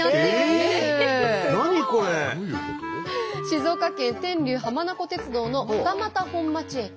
静岡県天竜浜名湖鉄道の二俣本町駅。